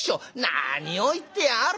何を言ってやがる。